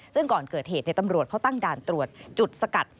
ซึ่งก่อนเกิดเหตุตำรวจเขาตั้งด่านตรวจจุดสกัด